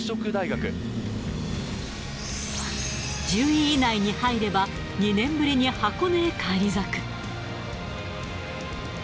６位、１０位以内に入れば、２年ぶりに箱根へ返り咲く。